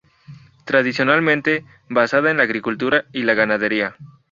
Tradicionalmente basada en la agricultura y la ganadería.